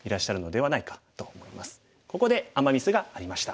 ここでアマ・ミスがありました。